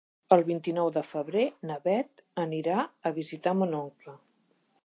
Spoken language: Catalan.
El vint-i-nou de febrer na Beth anirà a visitar mon oncle.